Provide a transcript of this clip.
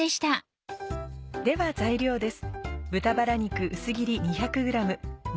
では材料です。